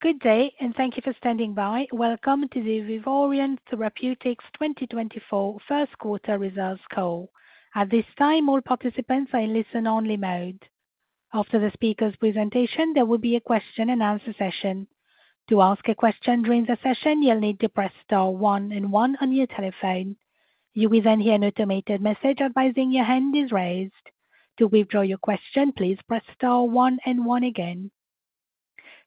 Good day, and thank you for standing by. Welcome to the Vivoryon Therapeutics 2024 first quarter results call. At this time, all participants are in listen-only mode. After the speaker's presentation, there will be a question-and-answer session. To ask a question during the session, you'll need to press star one and one on your telephone. You will then hear an automated message advising your hand is raised. To withdraw your question, please press star one and one again.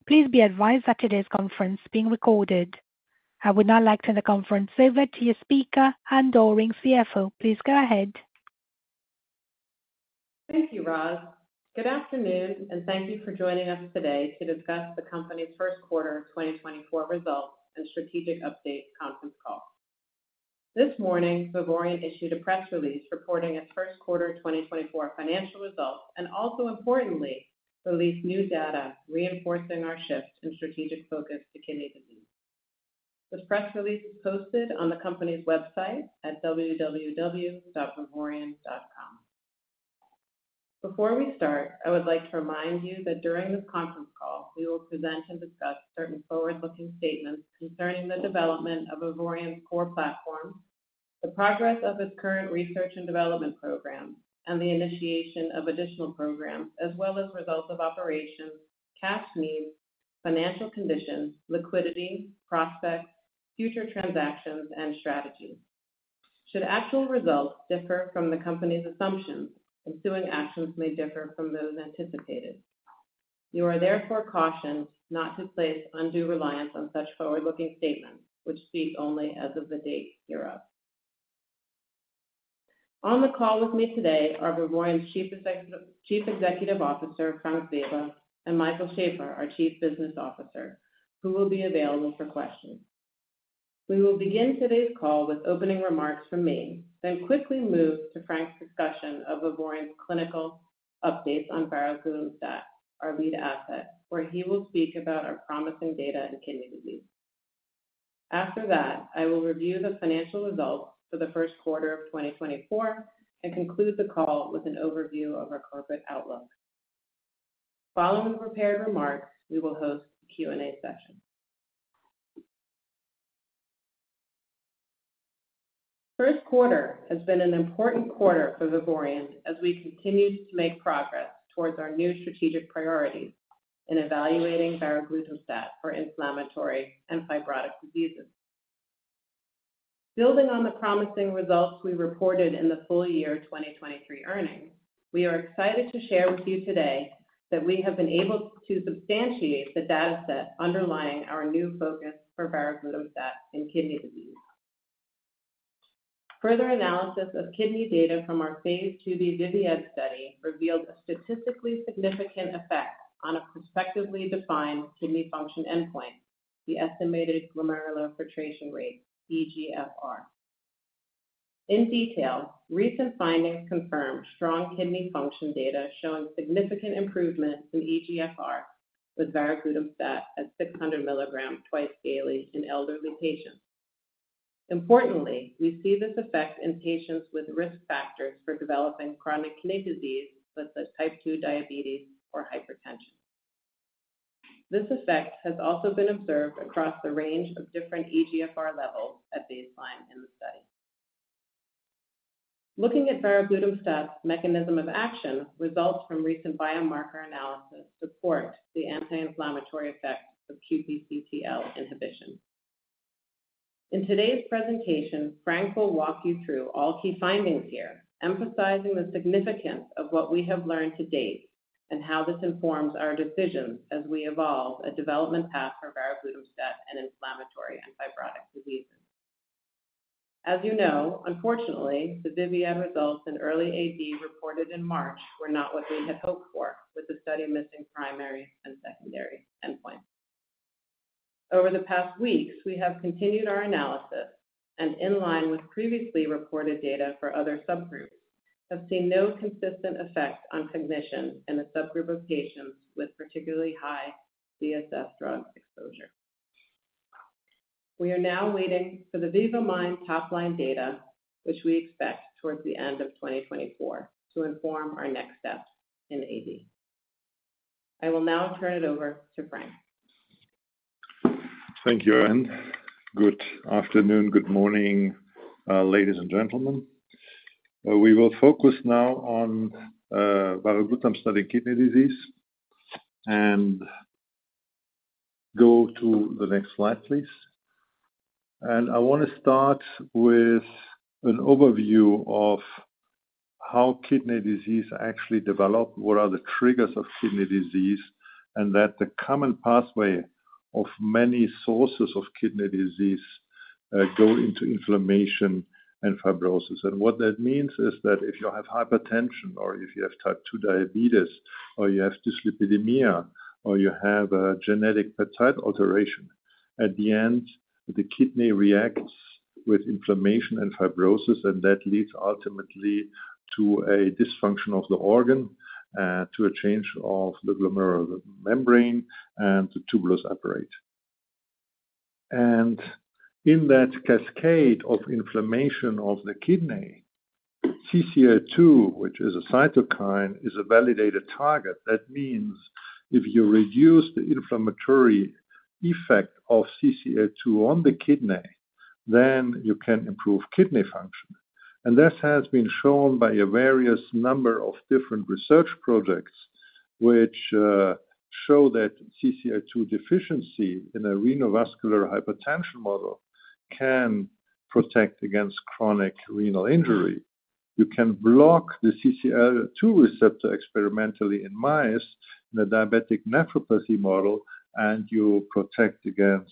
Please be advised that today's conference is being recorded. I would now like to turn the conference over to your speaker, Anne Doering, CFO. Please go ahead. Thank you, Roz. Good afternoon, and thank you for joining us today to discuss the company's first quarter of 2024 results and strategic update conference call. This morning, Vivoryon issued a press release reporting its first quarter 2024 financial results, and also importantly, released new data reinforcing our shift in strategic focus to kidney disease. The press release is posted on the company's website at www.vivoryon.com. Before we start, I would like to remind you that during this conference call, we will present and discuss certain forward-looking statements concerning the development of Vivoryon's core platform, the progress of its current research and development program, and the initiation of additional programs, as well as results of operations, cash needs, financial conditions, liquidity, prospects, future transactions, and strategies. Should actual results differ from the company's assumptions, ensuing actions may differ from those anticipated. You are therefore cautioned not to place undue reliance on such forward-looking statements, which speak only as of the date hereof. On the call with me today are Vivoryon's Chief Executive, Chief Executive Officer, Frank Weber, and Michael Schaeffer, our Chief Business Officer, who will be available for questions. We will begin today's call with opening remarks from me, then quickly move to Frank's discussion of Vivoryon's clinical updates on varoglutamstat, our lead asset, where he will speak about our promising data in kidney disease. After that, I will review the financial results for the first quarter of 2024 and conclude the call with an overview of our corporate outlook. Following the prepared remarks, we will host a Q&A session. First quarter has been an important quarter for Vivoryon as we continue to make progress towards our new strategic priorities in evaluating varoglutamstat for inflammatory and fibrotic diseases. Building on the promising results we reported in the full year 2023 earnings, we are excited to share with you today that we have been able to substantiate the data set underlying our new focus for varoglutamstat in kidney disease. Further analysis of kidney data from our phase II-B VIVIAD study revealed a statistically significant effect on a prospectively defined kidney function endpoint, the estimated glomerular filtration rate, eGFR. In detail, recent findings confirmed strong kidney function data showing significant improvement in eGFR with varoglutamstat at 600 mg twice daily in elderly patients. Importantly, we see this effect in patients with risk factors for developing chronic kidney disease, such as type 2 diabetes or hypertension. This effect has also been observed across the range of different eGFR levels at baseline in the study. Looking at varoglutamstat's mechanism of action, results from recent biomarker analysis support the anti-inflammatory effects of QPCT/L inhibition. In today's presentation, Frank will walk you through all key findings here, emphasizing the significance of what we have learned to date and how this informs our decisions as we evolve a development path for varoglutamstat in inflammatory and fibrotic diseases. As you know, unfortunately, the VIVIAD results in early AD reported in March were not what we had hoped for, with the study missing primary and secondary endpoints. Over the past weeks, we have continued our analysis and in line with previously reported data for other subgroups, have seen no consistent effect on cognition in a subgroup of patients with particularly high CSF drug exposure. We are now waiting for the VIVA-MIND top-line data, which we expect towards the end of 2024 to inform our next steps in AD. I will now turn it over to Frank. Thank you, Anne. Good afternoon, good morning, ladies and gentlemen. We will focus now on varoglutamstat study kidney disease and go to the next slide, please. I want to start with an overview of how kidney disease actually develop, what are the triggers of kidney disease, and that the common pathway of many sources of kidney disease go into inflammation and fibrosis. What that means is that if you have hypertension, or if you have type two diabetes, or you have dyslipidemia, or you have a genetic peptide alteration, at the end, the kidney reacts with inflammation and fibrosis, and that leads ultimately to a dysfunction of the organ, to a change of the glomerular membrane and the tubulus apparatus. In that cascade of inflammation of the kidney, CCL2, which is a cytokine, is a validated target. That means if you reduce the inflammatory effect of CCL2 on the kidney, then you can improve kidney function. And this has been shown by a various number of different research projects, which show that CCL2 deficiency in a renovascular hypertension model can protect against chronic renal injury. You can block the CCL2 receptor experimentally in mice, in a diabetic nephropathy model, and you protect against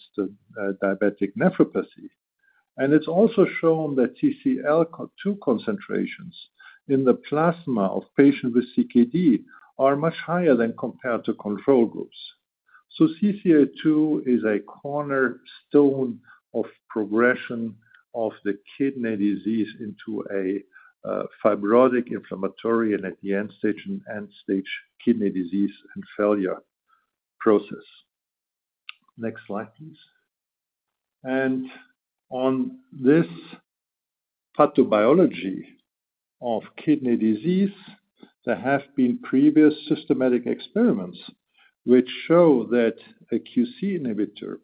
diabetic nephropathy. And it's also shown that CCL2 concentrations in the plasma of patients with CKD are much higher than compared to control groups. So CCL2 is a cornerstone of progression of the kidney disease into a fibrotic inflammatory, and at the end stage, an end-stage kidney disease and failure process. Next slide, please. On this pathobiology of kidney disease, there have been previous systematic experiments which show that a QC inhibitor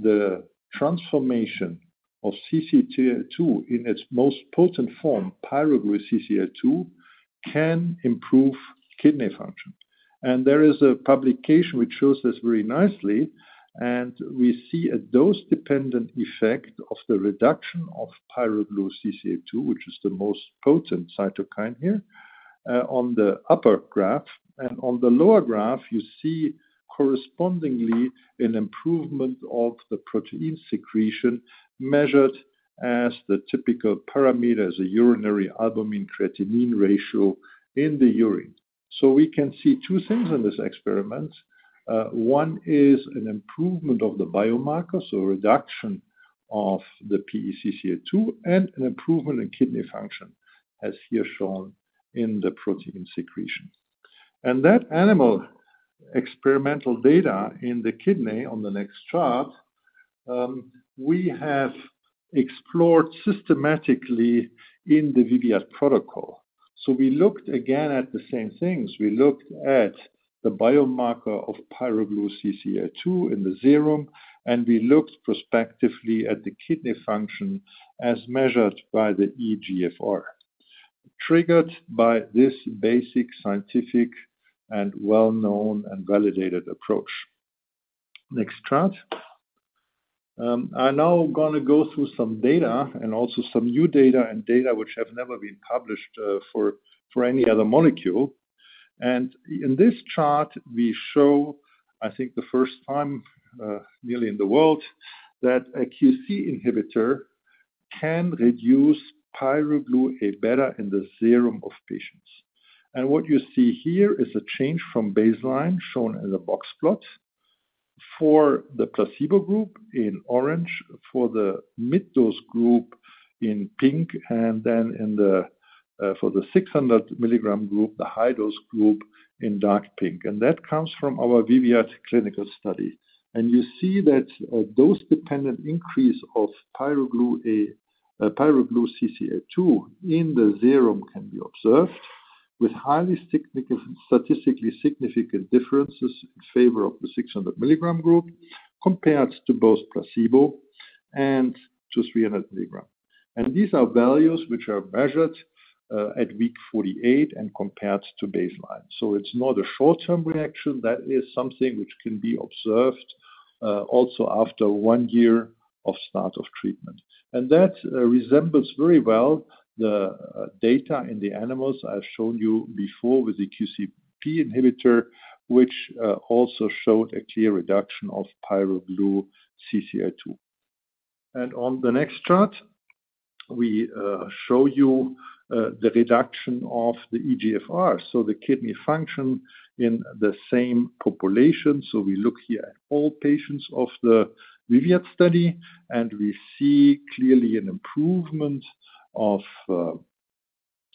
preventing the transformation of CCL2 in its most potent form, pGlu-CCL2, can improve kidney function. There is a publication which shows this very nicely, and we see a dose-dependent effect of the reduction of pGlu-CCL2, which is the most potent cytokine here, on the upper graph. On the lower graph, you see correspondingly, an improvement of the protein secretion, measured as the typical parameter as a urinary albumin-creatinine ratio in the urine. So we can see two things in this experiment. One is an improvement of the biomarkers, so reduction of the pE-CCL2, and an improvement in kidney function, as here shown in the protein secretion. That animal experimental data in the kidney on the next chart, we have explored systematically in the VIVIAD protocol. So we looked again at the same things. We looked at the biomarker of pGlu-CCL2 in the serum, and we looked prospectively at the kidney function as measured by the eGFR, triggered by this basic scientific and well-known and validated approach. Next chart. Now, I'm gonna go through some data and also some new data and data which have never been published, for any other molecule. And in this chart, we show, I think, the first time, really in the world, that a QC inhibitor can reduce pGlu-Abeta in the serum of patients. And what you see here is a change from baseline, shown in the box plot. For the placebo group in orange, for the mid-dose group in pink, and then for the 600 milligram group, the high-dose group, in dark pink. That comes from our VIVIAD clinical study. You see that dose-dependent increase of pGlu-CCL2 in the serum can be observed, with highly significant, statistically significant differences in favor of the 600 milligram group, compared to both placebo and to 300 mg. These are values which are measured at week 48 and compared to baseline. So it's not a short-term reaction. That is something which can be observed also after one year of start of treatment. That resembles very well the data in the animals I've shown you before with the QPCT/L inhibitor, which also showed a clear reduction of pGlu-CCL2. On the next chart, we show you the reduction of the eGFR, so the kidney function in the same population. So we look here at all patients of the VIVIAD study, and we see clearly an improvement of the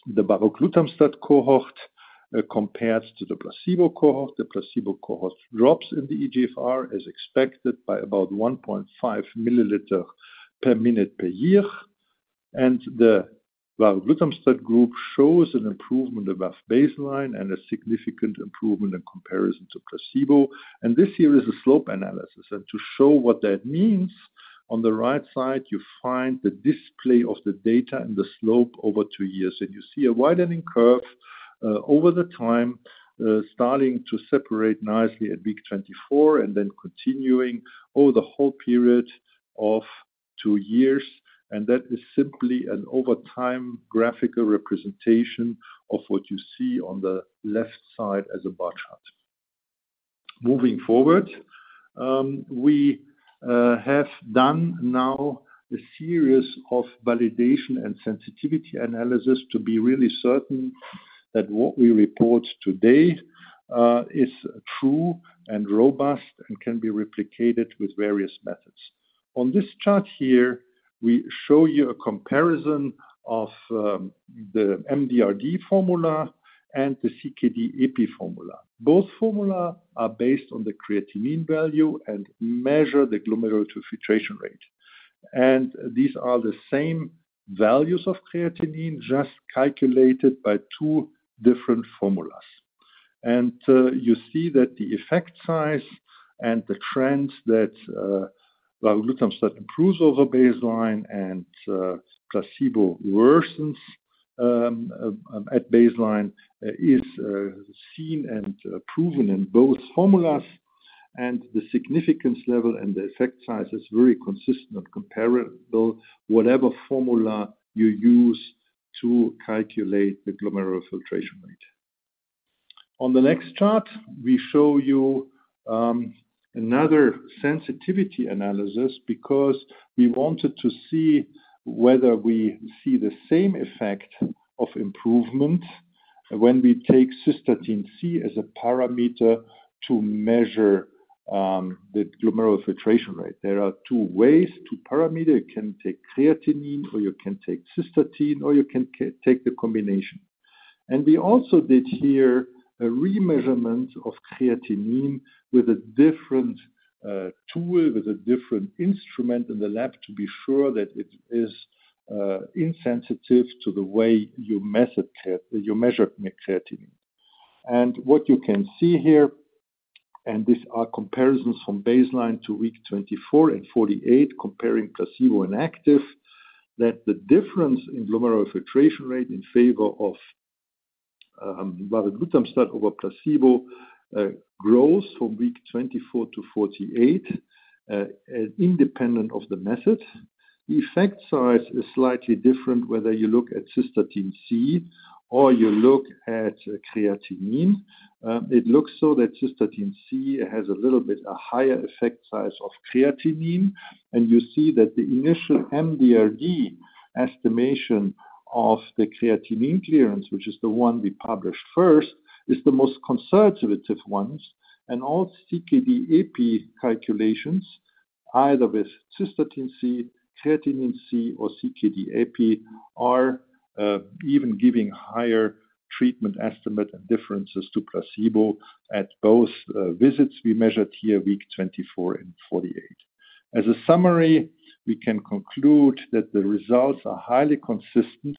varoglutamstat cohort compared to the placebo cohort. The placebo cohort drops in the eGFR, as expected by about 1.5 mL/min/year. And the varoglutamstat group shows an improvement above baseline and a significant improvement in comparison to placebo. And this here is a slope analysis. And to show what that means, on the right side, you find the display of the data and the slope over two years. And you see a widening curve over the time starting to separate nicely at week 24 and then continuing over the whole period of two years. And that is simply an over time graphical representation of what you see on the left side as a bar chart. Moving forward, we have done now a series of validation and sensitivity analysis to be really certain that what we report today is true and robust and can be replicated with various methods. On this chart here, we show you a comparison of the MDRD formula and the CKD-EPI formula. Both formula are based on the creatinine value and measure the glomerular filtration rate. And these are the same values of creatinine, just calculated by two different formulas. You see that the effect size and the trends that varoglutamstat improves over baseline and placebo worsens at baseline is seen and proven in both formulas, and the significance level and the effect size is very consistent and comparable, whatever formula you use to calculate the glomerular filtration rate. On the next chart, we show you another sensitivity analysis, because we wanted to see whether we see the same effect of improvement when we take cystatin C as a parameter to measure the glomerular filtration rate. There are two ways, two parameter, you can take creatinine, or you can take cystatin, or you can take the combination. And we also did here a remeasurement of creatinine with a different tool, with a different instrument in the lab, to be sure that it is insensitive to the way you measured the creatinine. And what you can see here, and these are comparisons from baseline to week 24 and 48, comparing placebo and active, that the difference in glomerular filtration rate in favor of varoglutamstat over placebo grows from week 24 to 48, independent of the method. The effect size is slightly different, whether you look at cystatin C or you look at creatinine. It looks so that cystatin C has a little bit a higher effect size of creatinine, and you see that the initial MDRD estimation of the creatinine clearance, which is the one we published first, is the most conservative ones. All CKD-EPI calculations, either with cystatin C, creatinine C, or CKD-EPI, are even giving higher treatment estimate and differences to placebo at both visits we measured here, week 24 and 48. As a summary, we can conclude that the results are highly consistent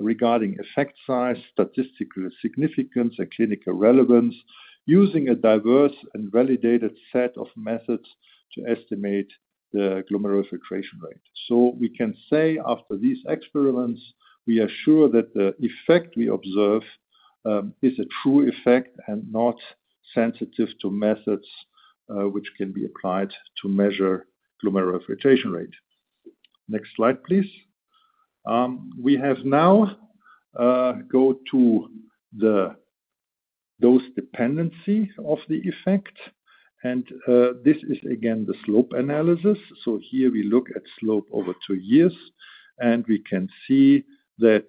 regarding effect size, statistical significance, and clinical relevance, using a diverse and validated set of methods to estimate the glomerular filtration rate. So we can say after these experiments, we are sure that the effect we observe is a true effect and not sensitive to methods which can be applied to measure glomerular filtration rate. Next slide, please. We have now go to the dose dependency of the effect. This is again, the slope analysis. So here we look at slope over two years, and we can see that,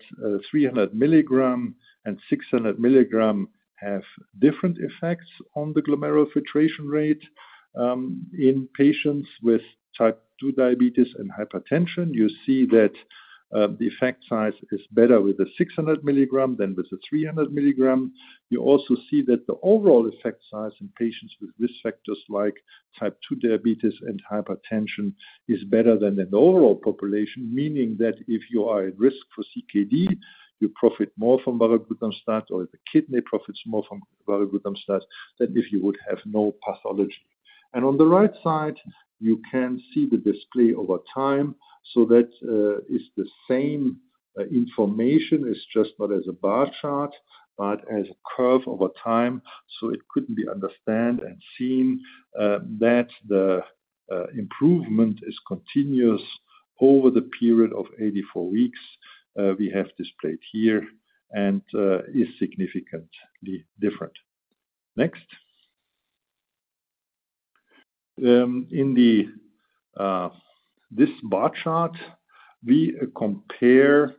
300 mg and 600 mg have different effects on the glomerular filtration rate. In patients with type 2 diabetes and hypertension, you see that, the effect size is better with the 600 mg than with the 300 mg. You also see that the overall effect size in patients with risk factors like type 2 diabetes and hypertension, is better than the overall population, meaning that if you are at risk for CKD, you profit more from varoglutamstat, or the kidney profits more from varoglutamstat, than if you would have no pathology. And on the right side, you can see the display over time. So that is the same information, it's just not as a bar chart, but as a curve over time, so it could be understood and seen that the improvement is continuous over the period of 84 weeks we have displayed here and is significantly different. Next. In this bar chart, we compare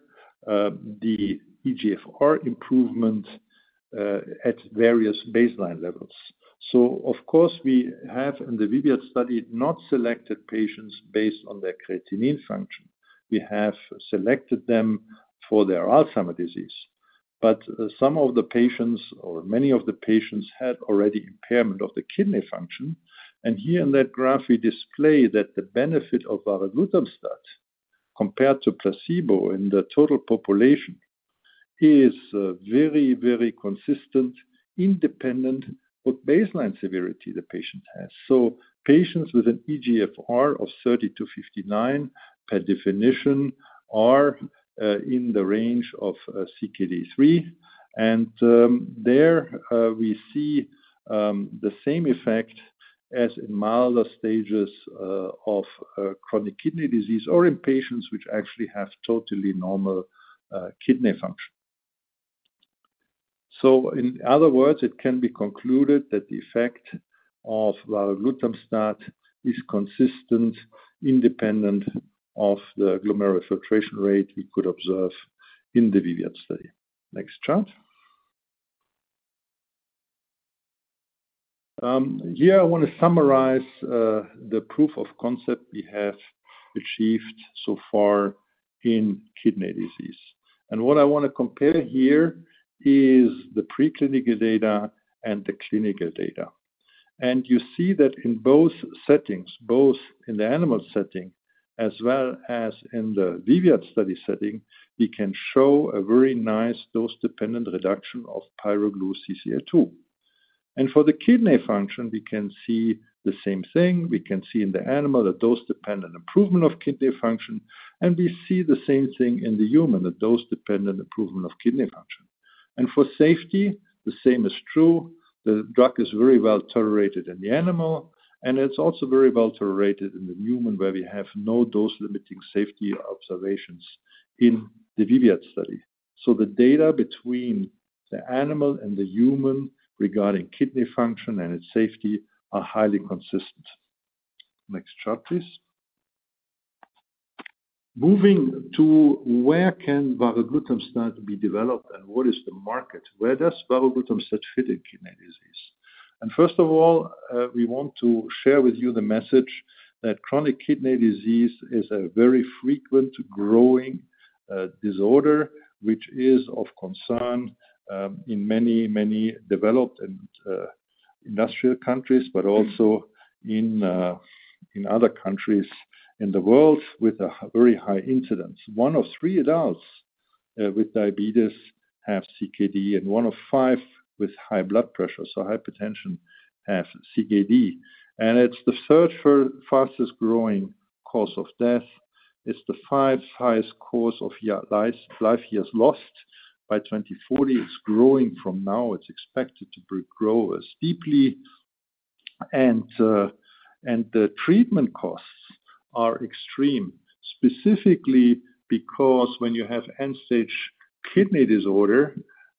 the eGFR improvement at various baseline levels. So of course, we have in the VIVIAD study not selected patients based on their kidney function. We have selected them for their Alzheimer's disease. But some of the patients or many of the patients had already impairment of the kidney function. And here in that graph, we display that the benefit of varoglutamstat compared to placebo in the total population is very, very consistent, independent of baseline severity the patient has. So patients with an eGFR of 30-59, per definition, are in the range of CKD 3. And there we see the same effect as in milder stages of chronic kidney disease, or in patients which actually have totally normal kidney function. So in other words, it can be concluded that the effect of varoglutamstat is consistent, independent of the glomerular filtration rate we could observe in the VIVIAD study. Next chart. Here I want to summarize the proof of concept we have achieved so far in kidney disease. And what I want to compare here is the preclinical data and the clinical data. And you see that in both settings, both in the animal setting as well as in the VIVIAD study setting, we can show a very nice dose-dependent reduction of pGlu-CCL2. And for the kidney function, we can see the same thing. We can see in the animal, the dose-dependent improvement of kidney function, and we see the same thing in the human, the dose-dependent improvement of kidney function. And for safety, the same is true. The drug is very well tolerated in the animal, and it's also very well tolerated in the human, where we have no dose-limiting safety observations in the VIVIAD study. So the data between the animal and the human regarding kidney function and its safety are highly consistent. Next chart, please. Moving to where can varoglutamstat start to be developed and what is the market? Where does varoglutamstat fit in kidney disease? First of all, we want to share with you the message that chronic kidney disease is a very frequent, growing disorder, which is of concern in many, many developed and industrial countries, but also in other countries in the world with a very high incidence. One of three adults with diabetes have CKD, and one of five with high blood pressure, so hypertension, have CKD. It's the third fastest growing cause of death. It's the fifth highest cause of life years lost. By 2040, it's growing from now; it's expected to grow as deeply. The treatment costs are extreme, specifically because when you have end-stage kidney disorder,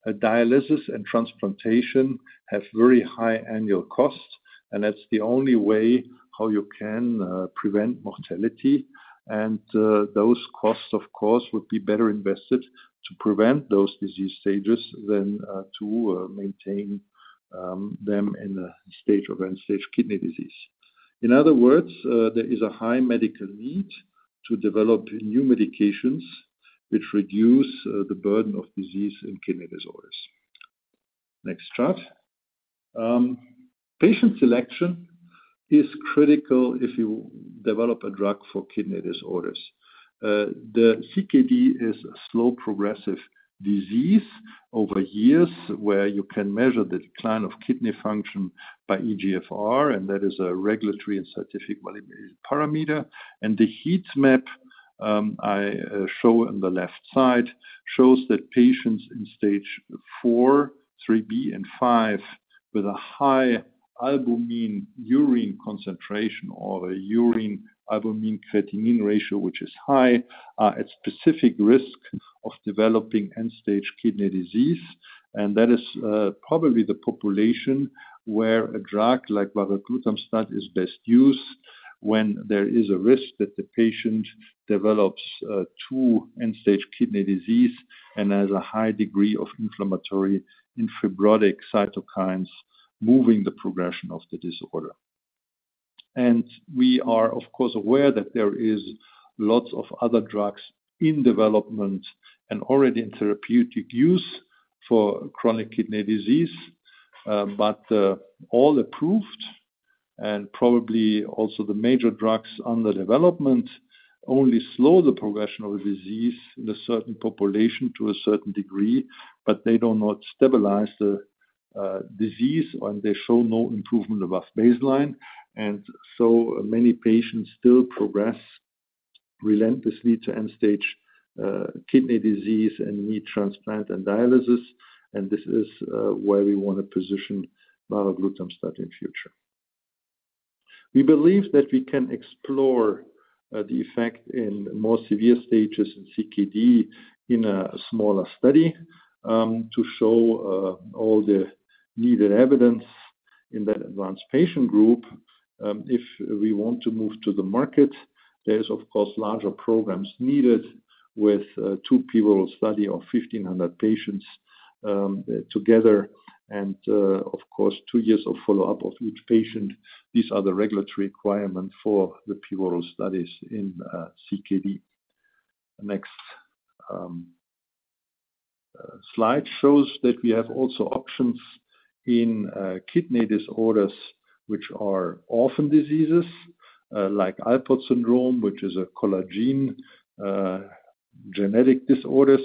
dialysis and transplantation have very high annual costs, and that's the only way how you can prevent mortality. Those costs, of course, would be better invested to prevent those disease stages than to maintain them in a stage of end-stage kidney disease. In other words, there is a high medical need to develop new medications which reduce the burden of disease in kidney disorders. Next chart. Patient selection is critical if you develop a drug for kidney disorders. The CKD is a slow, progressive disease over years, where you can measure the decline of kidney function by eGFR, and that is a regulatory and scientific parameter. The heat map I show on the left side shows that patients in stage 4, 3B, and 5, with a high albumin urine concentration or a urine albumin creatinine ratio, which is high, are at specific risk of developing end-stage kidney disease. That is probably the population where a drug like varoglutamstat is best used when there is a risk that the patient develops to end-stage kidney disease and has a high degree of inflammatory and fibrotic cytokines moving the progression of the disorder. We are, of course, aware that there is lots of other drugs in development and already in therapeutic use for chronic kidney disease, but all approved, and probably also the major drugs under development only slow the progression of the disease in a certain population to a certain degree, but they do not stabilize the disease, and they show no improvement above baseline. So many patients still progress relentlessly to end-stage kidney disease and need transplant and dialysis. This is where we want to position varoglutamstat in future. We believe that we can explore the effect in more severe stages in CKD in a smaller study to show all the needed evidence in that advanced patient group. If we want to move to the market, there is, of course, larger programs needed with two pivotal study of 1,500 patients together and, of course, two years of follow-up of each patient. These are the regulatory requirement for the pivotal studies in CKD. Next, slide shows that we have also options in kidney disorders, which are often diseases like Alport syndrome, which is a collagen genetic disorders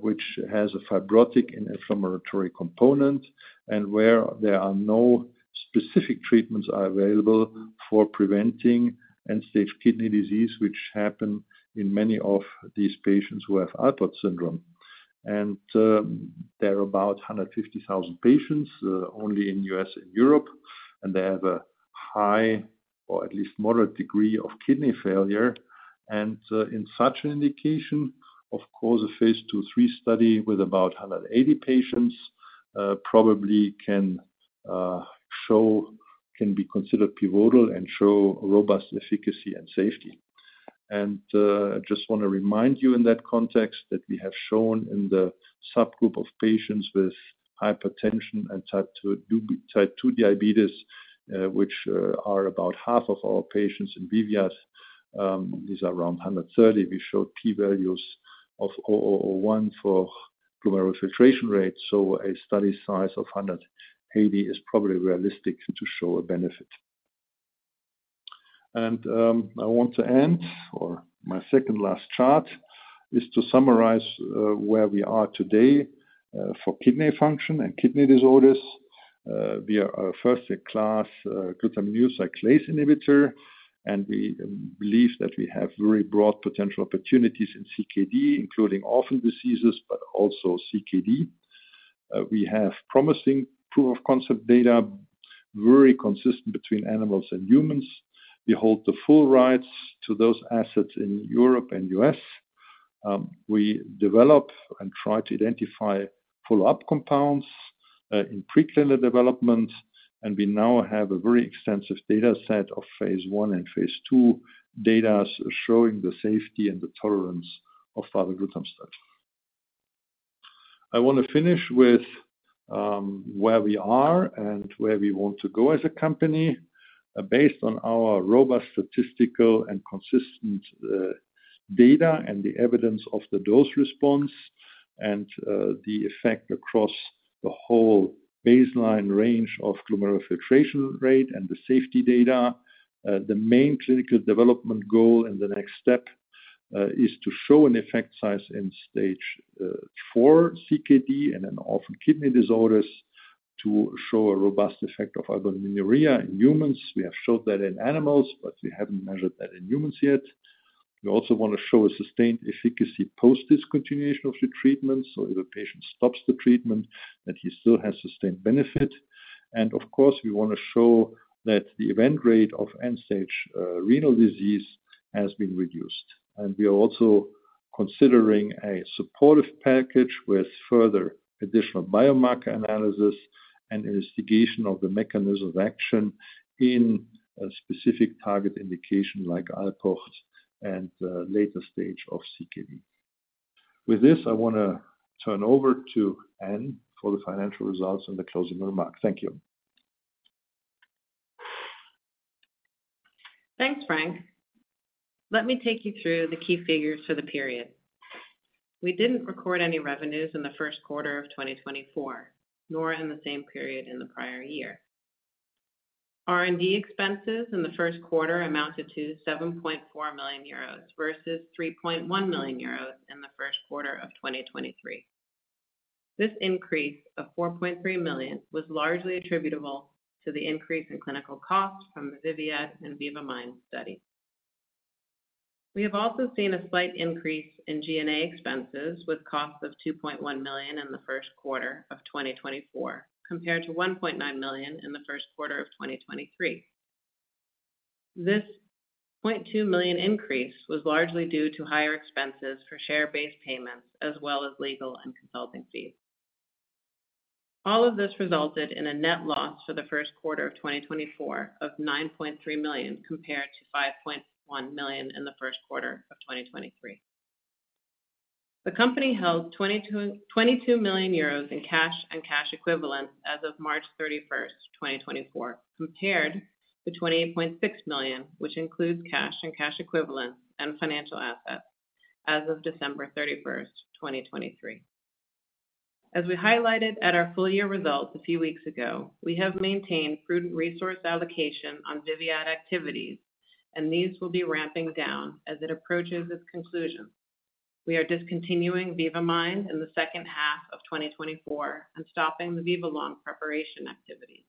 which has a fibrotic and inflammatory component, and where there are no specific treatments are available for preventing end-stage kidney disease, which happen in many of these patients who have Alport syndrome. There are about 150,000 patients only in US and Europe, and they have a high or at least moderate degree of kidney failure. In such an indication, of course, a phase II/3 study with about 180 patients probably can show. Can be considered pivotal and show robust efficacy and safety. I just want to remind you in that context that we have shown in the subgroup of patients with hypertension and type 2 diabetes, which are about half of our patients in VIVIAD, is around 130. We showed p-values of 0.001 for glomerular filtration rate, so a study size of 180 is probably realistic to show a benefit. I want to end, or my second last chart, is to summarize where we are today for kidney function and kidney disorders. We are a first-in-class glutaminyl cyclase inhibitor, and we believe that we have very broad potential opportunities in CKD, including orphan diseases, but also CKD. We have promising proof-of-concept data, very consistent between animals and humans. We hold the full rights to those assets in Europe and U.S. We develop and try to identify follow-up compounds in preclinical development, and we now have a very extensive data set of phase I and phase II data showing the safety and the tolerance of varoglutamstat. I want to finish with where we are and where we want to go as a company. Based on our robust statistical and consistent data, and the evidence of the dose response, and the effect across the whole baseline range of glomerular filtration rate and the safety data, the main clinical development goal and the next step is to show an effect size in stage 4 CKD and in orphan kidney disorders, to show a robust effect of albuminuria in humans. We have showed that in animals, but we haven't measured that in humans yet. We also want to show a sustained efficacy post-discontinuation of the treatment, so if a patient stops the treatment, that he still has sustained benefit. And of course, we want to show that the event rate of end-stage renal disease has been reduced. And we are also considering a supportive package with further additional biomarker analysis and investigation of the mechanism of action in a specific target indication, like Alport and later stage of CKD. With this, I want to turn over to Anne for the financial results and the closing remarks. Thank you. Thanks, Frank. Let me take you through the key figures for the period. We didn't record any revenues in the first quarter of 2024, nor in the same period in the prior year. R&D expenses in the first quarter amounted to 7.4 million euros, versus 3.1 million euros in the first quarter of 2023. This increase of 4.3 million was largely attributable to the increase in clinical costs from the VIVIAD and VIVA-MIND study. We have also seen a slight increase in G&A expenses, with costs of 2.1 million in the first quarter of 2024, compared to 1.9 million in the first quarter of 2023. This 0.2 million increase was largely due to higher expenses for share-based payments, as well as legal and consulting fees. All of this resulted in a net loss for the first quarter of 2024 of 9.3 million, compared to 5.1 million in the first quarter of 2023. The company held 22.2 million euros in cash and cash equivalents as of March 31, 2024, compared to 28.6 million, which includes cash and cash equivalents and financial assets as of December 31, 2023. As we highlighted at our full year results a few weeks ago, we have maintained prudent resource allocation on VIVIAD activities, and these will be ramping down as it approaches its conclusion. We are discontinuing VIVA-MIND in the second half of 2024 and stopping the VIVALONG preparation activity,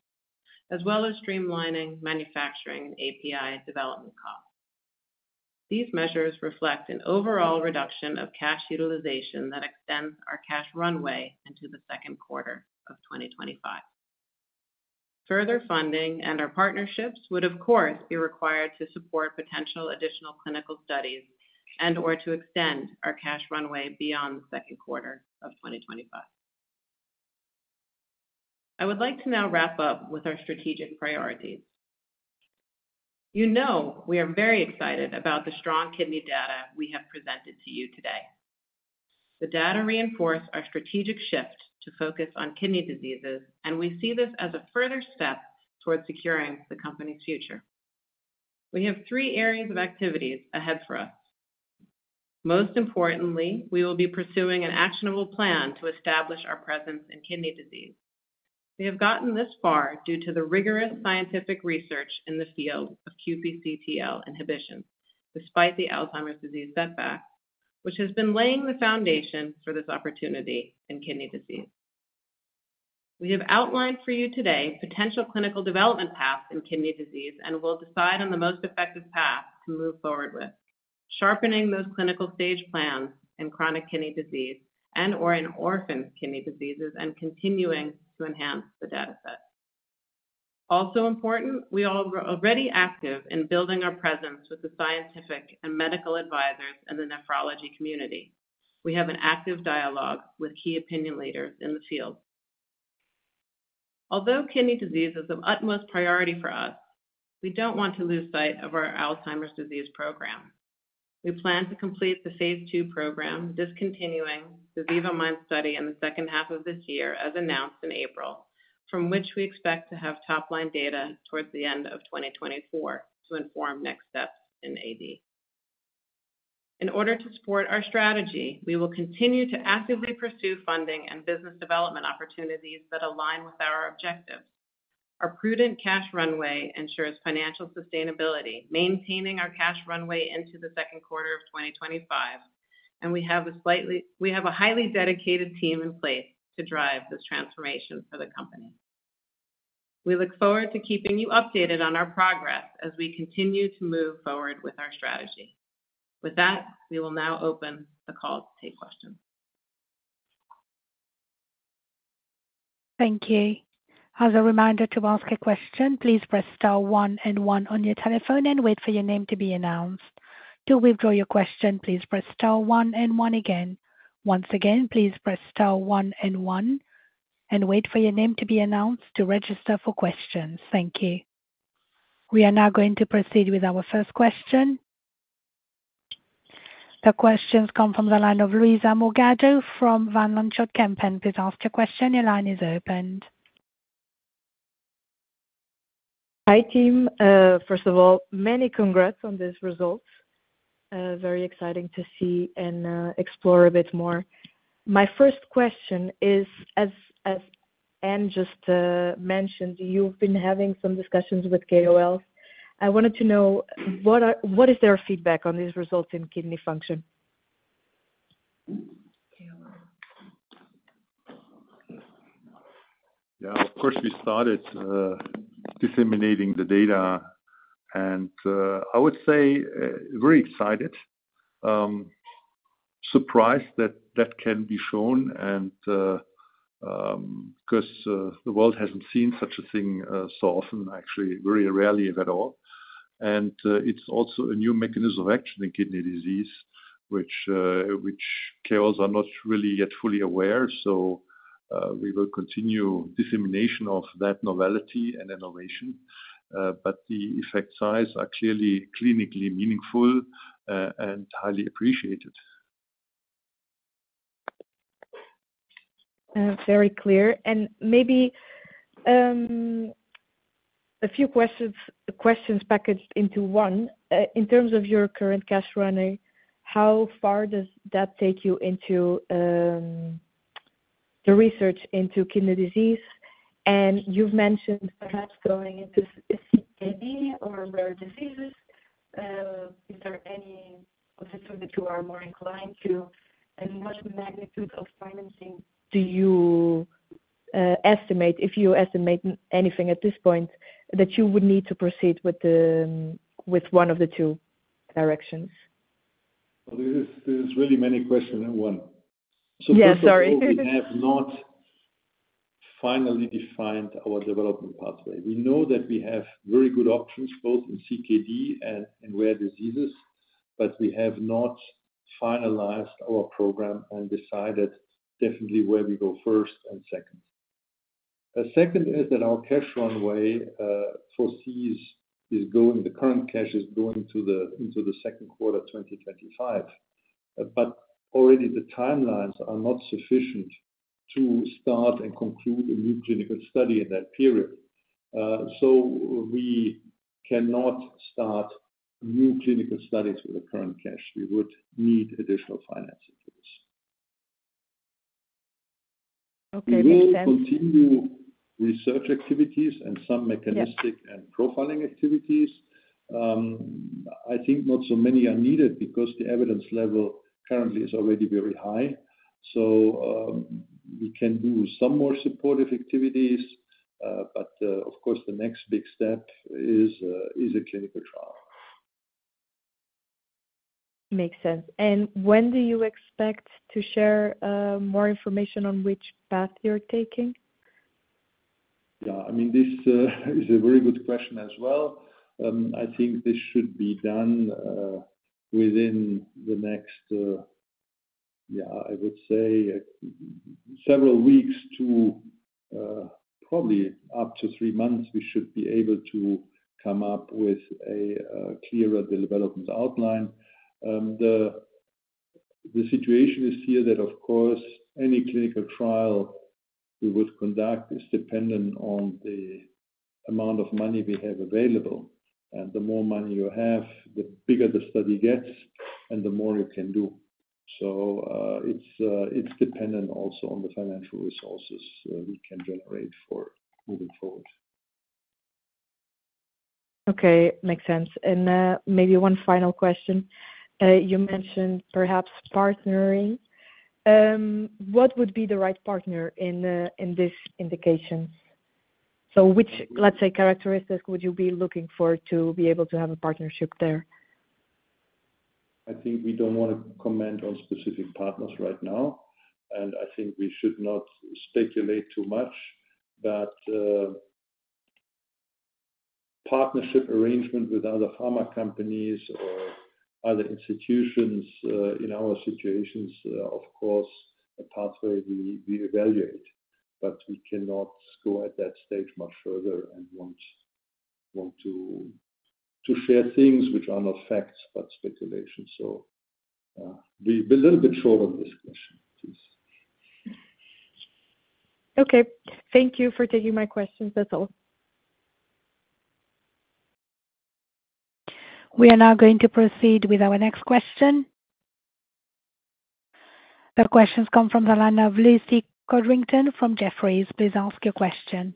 as well as streamlining manufacturing and API development costs. These measures reflect an overall reduction of cash utilization that extends our cash runway into the second quarter of 2025. Further funding and our partnerships would, of course, be required to support potential additional clinical studies and/or to extend our cash runway beyond the second quarter of 2025. I would like to now wrap up with our strategic priorities. You know, we are very excited about the strong kidney data we have presented to you today. The data reinforce our strategic shift to focus on kidney diseases, and we see this as a further step towards securing the company's future. We have three areas of activities ahead for us. Most importantly, we will be pursuing an actionable plan to establish our presence in kidney disease. We have gotten this far due to the rigorous scientific research in the field of QPCT/L inhibition, despite the Alzheimer's disease setback, which has been laying the foundation for this opportunity in kidney disease. We have outlined for you today potential clinical development paths in kidney disease and will decide on the most effective path to move forward with, sharpening those clinical stage plans in chronic kidney disease and/or in orphan kidney diseases, and continuing to enhance the dataset. Also important, we are already active in building our presence with the scientific and medical advisors in the nephrology community. We have an active dialogue with key opinion leaders in the field.... Although kidney disease is of utmost priority for us, we don't want to lose sight of our Alzheimer's disease program. We plan to complete the phase II program, discontinuing the VIVA-MIND study in the second half of this year, as announced in April, from which we expect to have top-line data towards the end of 2024 to inform next steps in AD. In order to support our strategy, we will continue to actively pursue funding and business development opportunities that align with our objectives. Our prudent cash runway ensures financial sustainability, maintaining our cash runway into the second quarter of 2025, and we have a highly dedicated team in place to drive this transformation for the company. We look forward to keeping you updated on our progress as we continue to move forward with our strategy. With that, we will now open the call to take questions. Thank you. As a reminder, to ask a question, please press star one and one on your telephone and wait for your name to be announced. To withdraw your question, please press star one and one again. Once again, please press star one and one and wait for your name to be announced to register for questions. Thank you. We are now going to proceed with our first question. The questions come from the line of Luisa Morgado from Van Lanschot Kempen. Please ask your question. Your line is open. Hi, team. First of all, many congrats on these results. Very exciting to see and explore a bit more. My first question is, as Anne just mentioned, you've been having some discussions with KOLs. I wanted to know, what is their feedback on these results in kidney function? KOL. Yeah, of course, we started disseminating the data, and I would say very excited. Surprised that that can be shown, and because the world hasn't seen such a thing so often, actually, very rarely if at all. And it's also a new mechanism of action in kidney disease, which, which KOLs are not really yet fully aware. So we will continue dissemination of that novelty and innovation, but the effect size are clearly clinically meaningful, and highly appreciated. Very clear. And maybe, a few questions, questions packaged into one. In terms of your current cash running, how far does that take you into, the research into kidney disease? And you've mentioned perhaps going into CKD or rare diseases. Is there any of the two that you are more inclined to? And what magnitude of financing do you, estimate, if you estimate anything at this point, that you would need to proceed with the, with one of the two directions? Well, there is really many questions in one. Yeah, sorry. So first of all, we have not finally defined our development pathway. We know that we have very good options, both in CKD and in rare diseases, but we have not finalized our program and decided definitely where we go first and second. The second is that our cash runway, the current cash is going into the second quarter of 2025, but already the timelines are not sufficient to start and conclude a new clinical study in that period. So we cannot start new clinical studies with the current cash. We would need additional financing for this. Okay, makes sense. We will continue research activities and some- Yeah mechanistic and profiling activities. I think not so many are needed because the evidence level currently is already very high, so, we can do some more supportive activities. But, of course, the next big step is a clinical trial. Makes sense. And when do you expect to share more information on which path you're taking? Yeah, I mean, this is a very good question as well. I think this should be done within the next, yeah, I would say, several weeks to probably up to three months, we should be able to come up with a clearer development outline. The situation is here that, of course, any clinical trial we would conduct is dependent on the amount of money we have available, and the more money you have, the bigger the study gets, and the more you can do. So, it's dependent also on the financial resources we can generate for moving forward. Okay, makes sense. Maybe one final question. You mentioned perhaps partnering. What would be the right partner in this indication? So which, let's say, characteristics would you be looking for to be able to have a partnership there? I think we don't want to comment on specific partners right now, and I think we should not speculate too much. But partnership arrangement with other pharma companies or other institutions, in our situations, of course, a pathway we evaluate. But we cannot go at that stage much further and want to share things which are not facts, but speculation. So, be a little bit short on this question, please. Okay. Thank you for taking my question. That's all. We are now going to proceed with our next question. The question's come from Lucy Codrington from Jefferies. Please ask your question.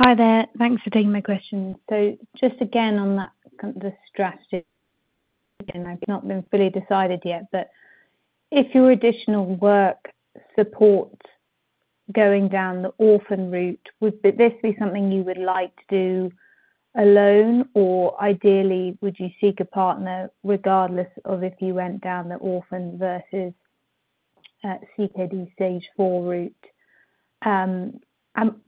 Hi there. Thanks for taking my question. So just again, on that, the strategy, again, I've not been fully decided yet, but if your additional work supports going down the orphan route, would this be something you would like to do alone? Or ideally, would you seek a partner regardless of if you went down the orphan versus CKD stage four route?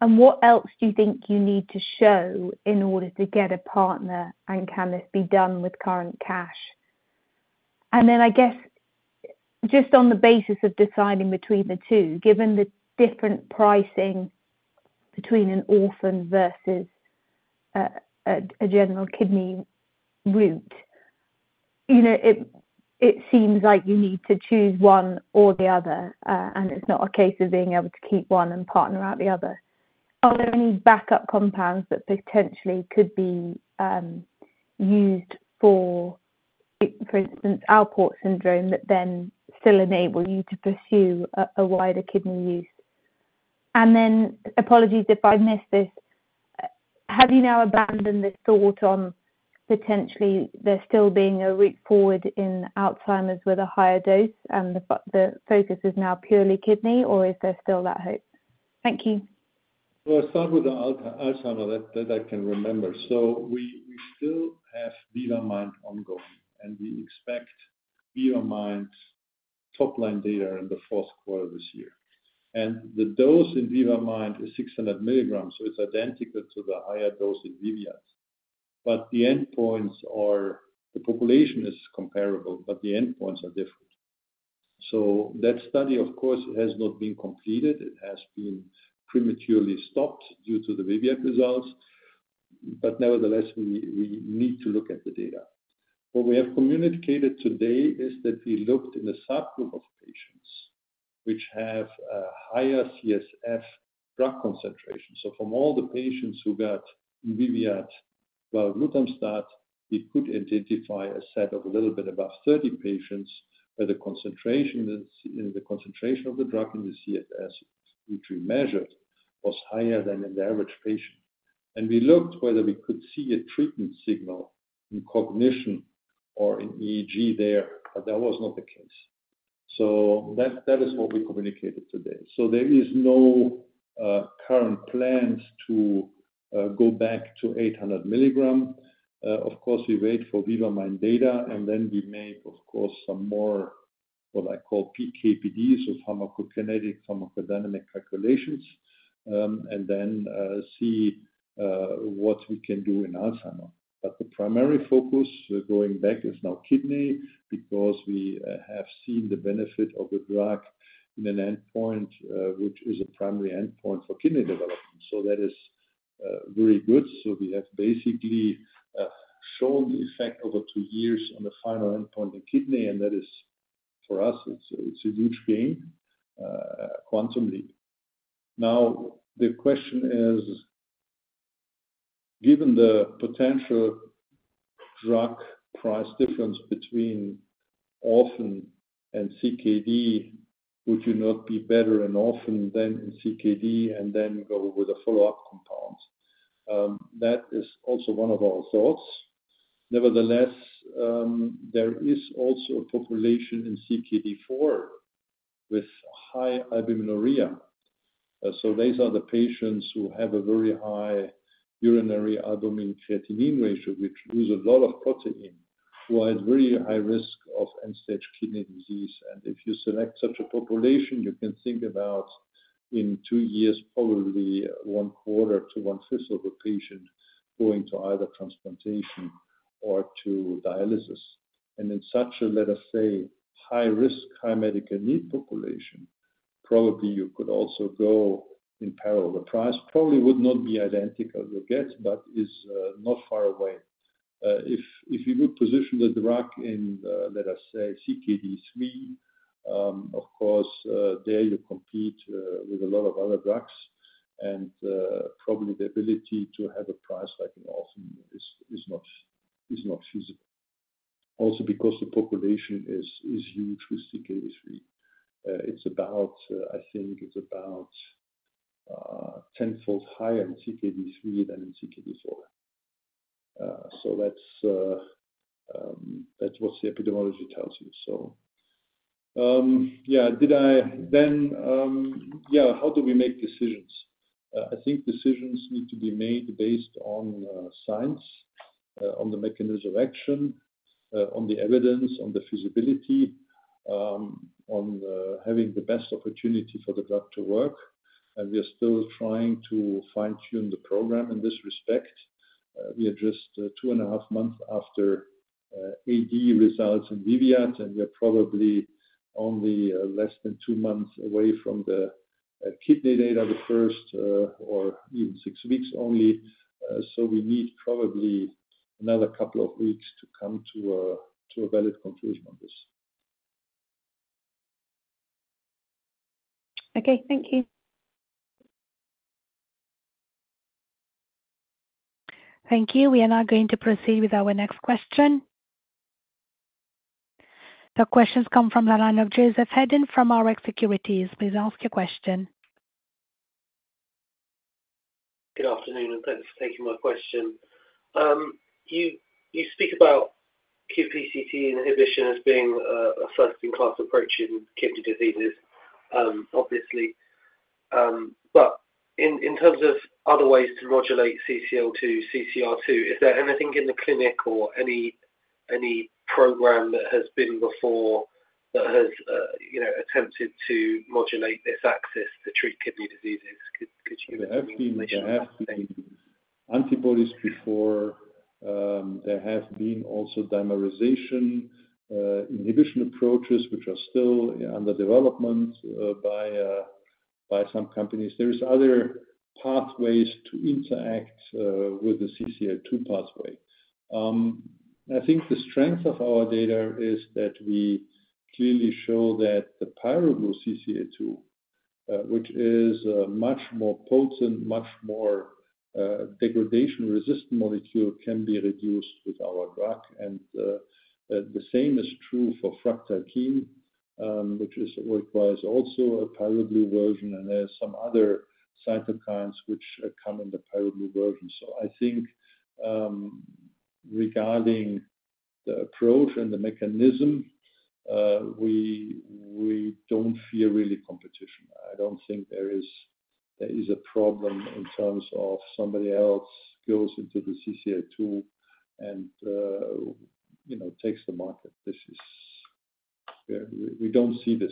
And what else do you think you need to show in order to get a partner, and can this be done with current cash? And then, I guess, just on the basis of deciding between the two, given the different pricing between an orphan versus a general kidney route, you know, it seems like you need to choose one or the other, and it's not a case of being able to keep one and partner out the other. Are there any backup compounds that potentially could be used for, for instance, Alport syndrome, that then still enable you to pursue a wider kidney use? And then, apologies if I've missed this, have you now abandoned the thought on potentially there still being a route forward in Alzheimer's with a higher dose, and the focus is now purely kidney, or is there still that hope? Thank you. Well, I'll start with the Alzheimer's, that I can remember. So we still have VIVA-MIND ongoing, and we expect VIVA-MIND's top line data in the fourth quarter this year. And the dose in VIVA-MIND is 600 mg, so it's identical to the higher dose in VIVIAD. But the endpoints are... the population is comparable, but the endpoints are different. So that study, of course, has not been completed. It has been prematurely stopped due to the VIVIAD results, but nevertheless, we need to look at the data. What we have communicated today is that we looked in a subgroup of patients, which have a higher CSF drug concentration. So from all the patients who got VIVIAD, well, varoglutamstat, we could identify a set of a little bit about 30 patients, where the concentration in the concentration of the drug in the CSF, which we measured, was higher than in the average patient. And we looked whether we could see a treatment signal in cognition or in EEG there, but that was not the case. So that is what we communicated today. So there is no current plans to go back to 800 mg. Of course, we wait for VIVA-MIND data, and then we make, of course, some more, what I call PK/PDs or pharmacokinetic pharmacodynamic calculations. And then see what we can do in Alzheimer's. But the primary focus going back is now kidney, because we have seen the benefit of the drug in an endpoint, which is a primary endpoint for kidney development. So that is very good. So we have basically shown the effect over two years on the final endpoint of kidney, and that is, for us, it's a huge gain, quantum leap. Now, the question is, given the potential drug price difference between orphan and CKD, would you not be better in orphan than in CKD and then go with a follow-up compound? That is also one of our thoughts. Nevertheless, there is also a population in CKD 4 with high albuminuria. So these are the patients who have a very high urinary albumin-creatinine ratio, which lose a lot of protein, who are at very high risk of end-stage kidney disease. If you select such a population, you can think about in two years, probably one quarter to one fifth of the patient going to either transplantation or to dialysis. In such a, let us say, high risk, high medical need population, probably you could also go in parallel. The price probably would not be identical you get, but is, not far away. If you would position the drug in, let us say CKD 3, of course, there you compete, with a lot of other drugs, and, probably the ability to have a price like an orphan is, is not, is not feasible. Also, because the population is, is huge with CKD 3. It's about, I think it's about, tenfold higher in CKD 3 than in CKD 4. So that's what the epidemiology tells you. So, yeah, how do we make decisions? I think decisions need to be made based on science, on the mechanism of action, on the evidence, on the feasibility, on the having the best opportunity for the drug to work, and we are still trying to fine-tune the program in this respect. We are just 2.5 months after AD results in VIVIAD, and we are probably only less than two months away from the kidney data, the first, or even six weeks only. So we need probably another couple of weeks to come to a valid conclusion on this. Okay, thank you. Thank you. We are now going to proceed with our next question. The questions come from the line of Joseph Hedden from Rx Securities. Please ask your question. Good afternoon, and thanks for taking my question. You speak about QPCT/L inhibition as being a first-in-class approach in kidney diseases, obviously. But in terms of other ways to modulate CCL2, CCR2, is there anything in the clinic or any program that has been before that has you know attempted to modulate this axis to treat kidney diseases? Could you give me information? There have been antibodies before. There have also been dimerization inhibition approaches, which are still under development by some companies. There is other pathways to interact with the CCR2 pathway. I think the strength of our data is that we clearly show that the pGlu-CCL2, which is a much more potent, much more degradation-resistant molecule, can be reduced with our drug. And the same is true for fractalkine, which was also a pGlu version, and there are some other cytokines which come in the pGlu version. So I think, regarding the approach and the mechanism, we don't fear really competition. I don't think there is a problem in terms of somebody else goes into the CCR2 and, you know, takes the market. This is... Yeah, we don't see this.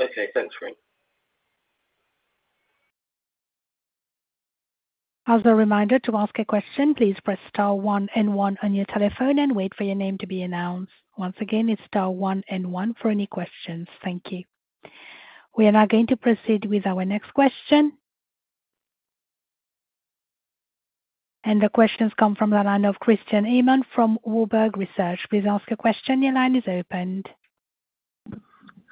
Okay, thanks very much. As a reminder, to ask a question, please press star one and one on your telephone and wait for your name to be announced. Once again, it's star one and one for any questions. Thank you. We are now going to proceed with our next question. The questions come from the line of Christian Ehmann from Warburg Research. Please ask a question. Your line is open.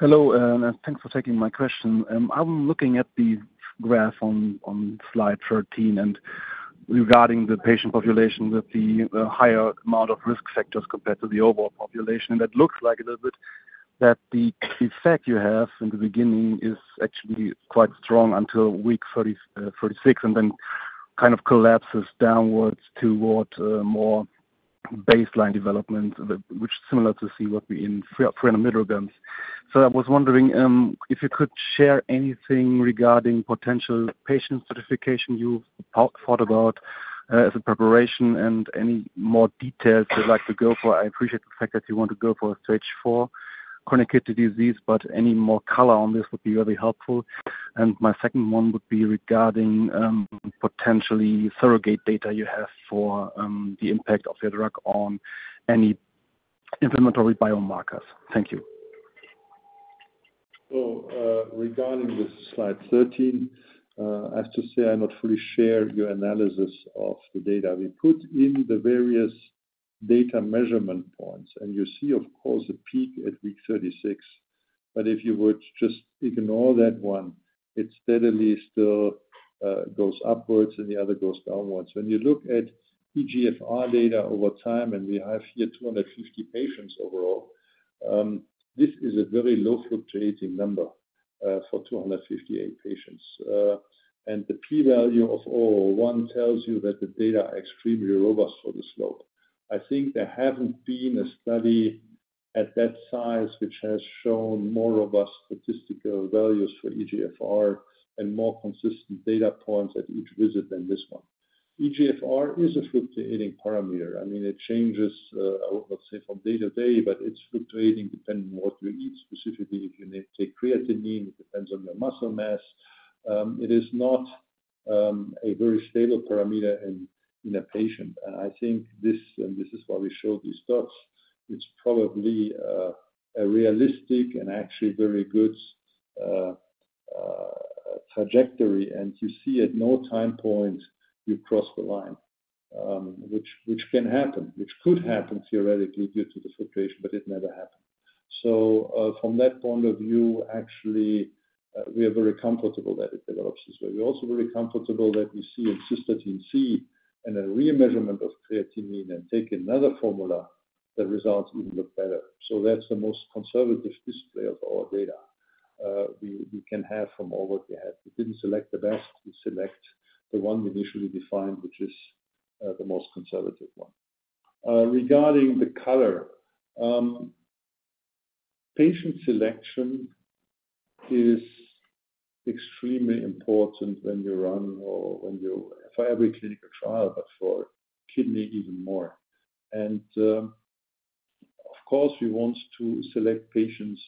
Hello, and thanks for taking my question. I'm looking at the graph on slide 13, and regarding the patient population with the higher amount of risk factors compared to the overall population. That looks like a little bit that the effect you have in the beginning is actually quite strong until week 30, 36, and then kind of collapses downwards towards more baseline development, which is similar to what we see in pre and middle grounds. So I was wondering if you could share anything regarding potential patient stratification you thought about as a preparation and any more details you'd like to go for. I appreciate the fact that you want to go for a stage 4 chronic kidney disease, but any more color on this would be really helpful. My second one would be regarding potentially surrogate data you have for the impact of your drug on any inflammatory biomarkers. Thank you. So, regarding the slide 13, I have to say I not fully share your analysis of the data. We put in the various data measurement points, and you see, of course, a peak at week 36. But if you would just ignore that one, it steadily still goes upwards and the other goes downwards. When you look at eGFR data over time, and we have here 250 patients overall, this is a very low fluctuating number for 258 patients. And the p-value of 0.001 tells you that the data are extremely robust for the slope. I think there haven't been a study at that size which has shown more robust statistical values for eGFR and more consistent data points at each visit than this one. eGFR is a fluctuating parameter. I mean, it changes, let's say, from day to day, but it's fluctuating depending on what you eat. Specifically, if you need to create a need, it depends on your muscle mass. It is not a very stable parameter in a patient. And I think this, and this is why we show these dots, it's probably a realistic and actually very good trajectory. And you see at no time point, we cross the line, which can happen, which could happen theoretically due to the fluctuation, but it never happened. So, from that point of view, actually, we are very comfortable that it develops this way. We're also very comfortable that we see a cystatin C and a remeasurement of creatinine and take another formula, the results even look better. So that's the most conservative display of our data. We can have from all what we had. We didn't select the best, we select the one we initially defined, which is the most conservative one. Regarding the color, patient selection is extremely important when you run or when you for every clinical trial, but for kidney, even more. And, of course, we want to select patients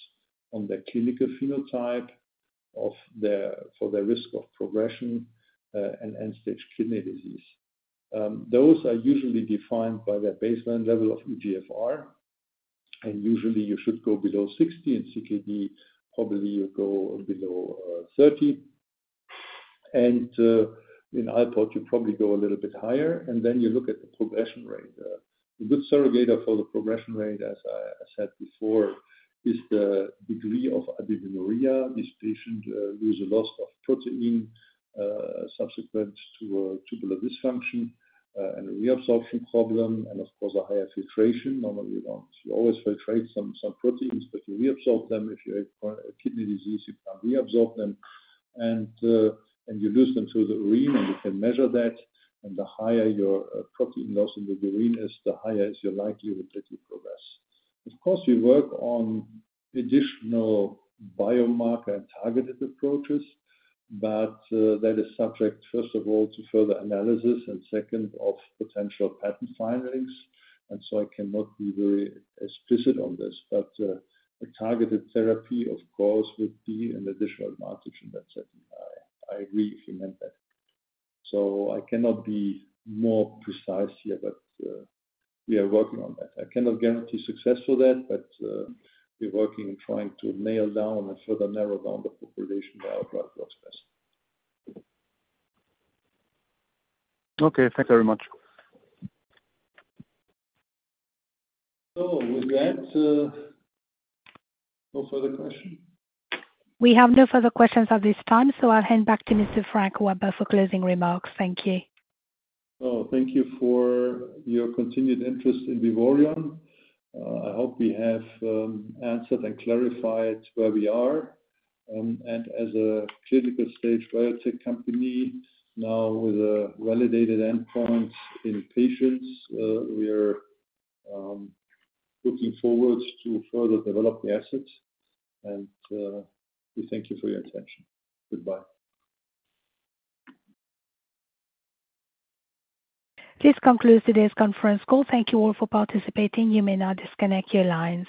on their clinical phenotype of their, for their risk of progression, and end-stage kidney disease. Those are usually defined by their baseline level of eGFR, and usually, you should go below 60, and CKD, probably you go below 30. In Alport, you probably go a little bit higher, and then you look at the progression rate. A good surrogate for the progression rate, as I said before, is the degree of albuminuria. This patient lose a lot of protein subsequent to tubular dysfunction and reabsorption problem, and of course, a higher filtration. Normally, you don't. You always filtrate some proteins, but you reabsorb them. If you have a kidney disease, you can reabsorb them, and you lose them through the urine, and you can measure that. And the higher your protein loss in the urine is, the higher is your likelihood that you progress. Of course, we work on additional biomarker and targeted approaches, but that is subject, first of all, to further analysis, and second, of potential patent filings. And so I cannot be very explicit on this, but a targeted therapy, of course, would be an additional advantage in that setting. I agree if you meant that. So I cannot be more precise here, but we are working on that. I cannot guarantee success for that, but we're working, trying to nail down and further narrow down the population where our drug works best. Okay, thank you very much. So with that, no further question? We have no further questions at this time, so I'll hand back to Mr. Frank Weber for closing remarks. Thank you. Oh, thank you for your continued interest in Vivoryon. I hope we have answered and clarified where we are. As a clinical stage biotech company now with a validated endpoint in patients, we are looking forward to further develop the assets, and we thank you for your attention. Goodbye. This concludes today's conference call. Thank you all for participating. You may now disconnect your lines.